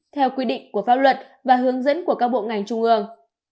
theo quy định của pháp luật và hướng dẫn của các bộ ngành trung ương